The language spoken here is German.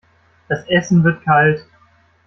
Das Essen wird kalt.